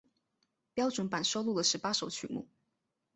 标准版收录了十八首曲目。